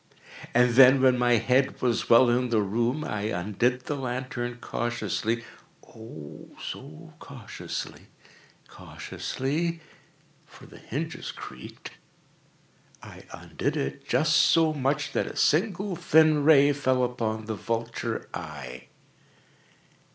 And then, when my head was well in the room, I undid the lantern cautiously—oh, so cautiously—cautiously (for the hinges creaked)—I undid it just so much that a single thin ray fell upon the vulture eye.